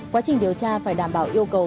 quá trình điều tra phải đảm bảo yêu cầu